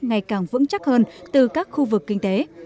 ngày càng vững chắc hơn từ các khu vực kinh tế